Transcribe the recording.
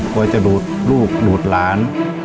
ควรจะหลูกหลูดหลาน